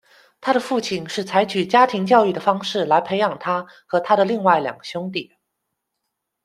他的父亲是采取家庭教育的方式来培养他和他的另外两个兄弟。